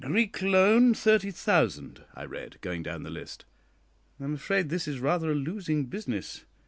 "'Greek loan, thirty thousand,'" I read, going down the list; "I am afraid this is rather a losing business.